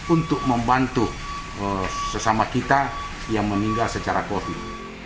untuk membantu sesama kita yang meninggal secara covid